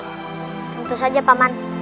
tentu saja pak man